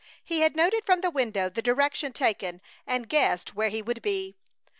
He had noted from the window the direction taken, and guessed where he would be.